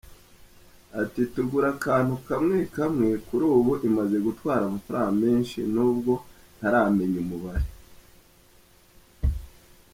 Ati “Tugura akantu kamwe kamwe; kuri ubu imaze gutwara amafaranga menshi nubwo ntaramenya umubare.